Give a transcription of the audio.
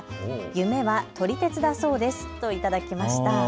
夢は撮り鉄だそうですといただきました。